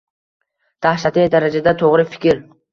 Dahshatli darajada to’g’ri fikr